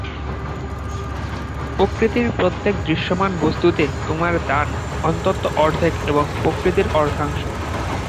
প্রকৃতির প্রত্যেক দৃশ্যমান বস্তুতে তোমার দান অন্তত অর্ধেক এবং প্রকৃতির অর্ধাংশ।